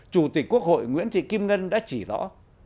chủ tịch quốc hội nguyễn thị kim ngân đã chỉ rõ